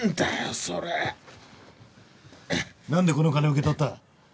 それ何でこの金を受け取った？